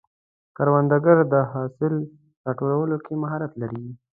کروندګر د حاصل راټولولو کې مهارت لري